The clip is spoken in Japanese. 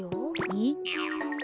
えっ！？